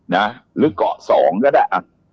หรือเกาะ๒ก็ได้